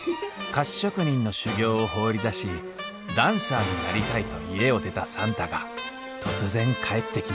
菓子職人の修業を放り出しダンサーになりたいと家を出た算太が突然帰ってきました